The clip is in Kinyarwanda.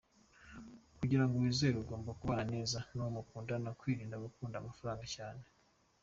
Kugira ngo wizerwe ugomba kubana neza nuwo mukundana, kwirinda gukunda amafaranga cyane.